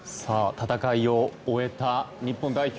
戦いを終えた日本代表。